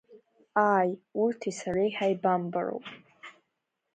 Ааи, урҭи сареи ҳаибамбароуп.